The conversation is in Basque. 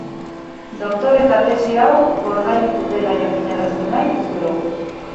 Doktoretza tesi hau gordailutu dela jakinarazi nahi dizuegu.